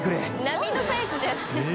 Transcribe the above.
並のサイズじゃない。